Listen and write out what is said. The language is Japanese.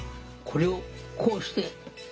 「これをこうして！